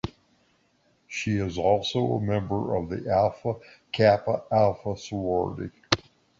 She is also a member of Alpha Kappa Alpha sorority.